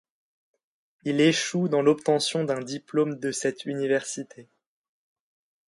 Il échoue dans l'obtention d'un diplôme de cette université.